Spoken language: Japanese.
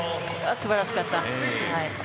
素晴らしかった。